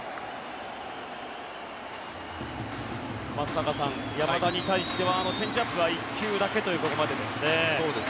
松坂さん、山田に対してはチェンジアップは１球だけというここまでですね。